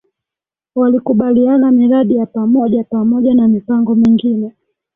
Walikubaliana miradi ya pamoja pamoja na mipango mingine